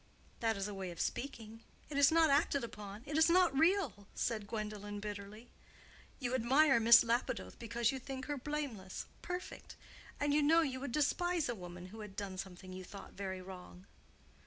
"That is a way of speaking—it is not acted upon, it is not real," said Gwendolen, bitterly. "You admire Miss Lapidoth because you think her blameless, perfect. And you know you would despise a woman who had done something you thought very wrong."